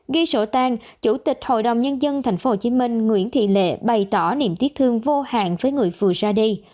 ghi sổ tang chủ tịch hội đồng nhân dân tp hcm nguyễn thị lệ bày tỏ niềm tiếc thương vô hạn với người vừa ra đi